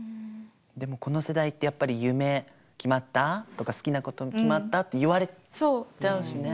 でもこの世代ってやっぱり夢決まった？とか好きなこと決まった？って言われちゃうしね。